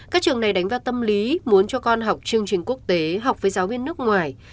các trường này đánh vào tâm lý muốn cho con học chương trình quốc tế học với giáo viên nước ngoài